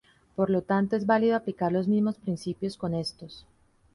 Por lo tanto es válido aplicar los mismos principios con estos.